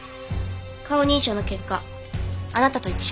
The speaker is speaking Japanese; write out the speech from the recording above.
顔認証の結果あなたと一致しました。